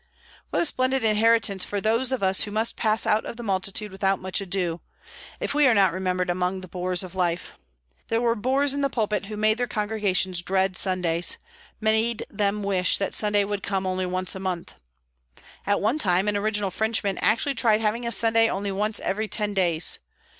What a splendid inheritance for those of us who must pass out of the multitude without much ado, if we are not remembered among the bores of life. There were bores in the pulpit who made their congregations dread Sundays; made them wish that Sunday would come only once a month. At one time an original Frenchman actually tried having a Sunday only once every ten days.